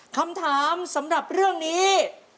คำถามสำหรับเรื่องนี้